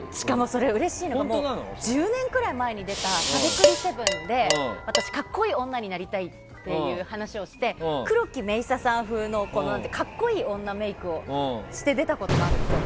うれしいのが１０年前くらいに出た「しゃべくり００７」で私、格好いい女になりたいって話をして黒木メイサさん風の格好いい女メイクをして出たことがあるんですよ。